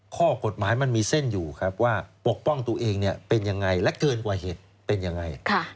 ข้อกฎหมายมันมีเส้นอยู่ครับว่าปกป้องตัวเองเป็นยังไงและเกินกว่าเหตุเป็นยังไง